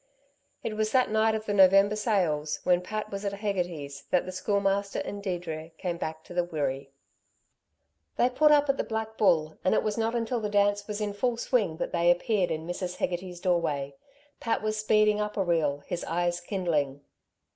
It was that night of the November sales, when Pat was at Hegarty's, that the Schoolmaster and Deirdre came back to the Wirree. They put up at the Black Bull, and it was not until the dance was in full swing that they appeared in Mrs. Hegarty's doorway. Pat was speeding up a reel, his eyes kindling.